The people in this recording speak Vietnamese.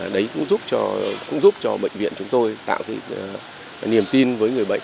đấy cũng giúp cho bệnh viện chúng tôi tạo cái niềm tin với người bệnh